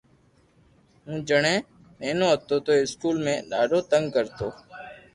ھون جڻي نينو ھتو تو اسڪول مي ڌاڌو تنگ ڪرتو